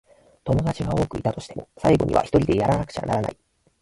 友達が多くいたとしても、最後にはひとりでやらなくちゃならない。